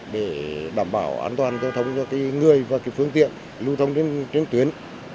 để đảm bảo an toàn giao thông cho cái người và cái phương tiện lưu thông trên tuyến